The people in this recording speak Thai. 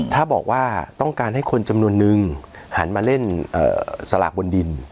ถ้าบอกว่าต้องการให้คนจำนวนนึงหันมาเล่นสลากบนดิน